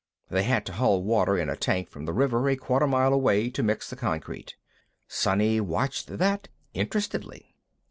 They had to haul water in a tank from the river a quarter mile away to mix the concrete. Sonny watched that interestedly.